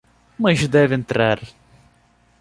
Mas deve entrar.